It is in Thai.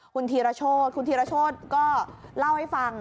คุณธีรโชธคุณธีรโชธก็เล่าให้ฟัง